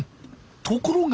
ところが。